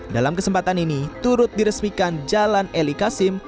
dalam kesempatan ini turut diresmikan jalan eli kasim